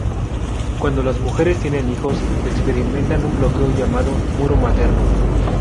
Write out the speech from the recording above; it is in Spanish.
Cuando las mujeres tienen hijos, experimentan un bloqueo llamado "muro materno".